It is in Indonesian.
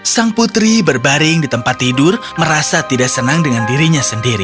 sang putri berbaring di tempat tidur merasa tidak senang dengan dirinya sendiri